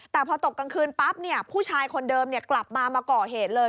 แต่พอตกกลางคืนปั๊บผู้ชายคนเดิมกลับมามาก่อเหตุเลย